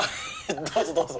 どうぞどうぞ。